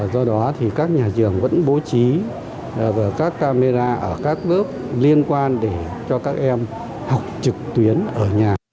do đó thì các nhà trường vẫn bố trí các camera ở các lớp liên quan để cho các em học trực tuyến ở nhà